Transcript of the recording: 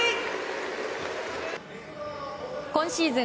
今シーズン